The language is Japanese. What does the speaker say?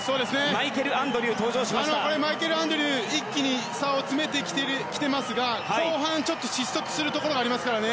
マイケル・アンドリュー一気に差を詰めてきていますが後半、失速するところがありますからね。